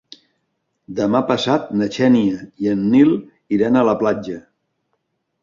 Demà passat na Xènia i en Nil iran a la platja.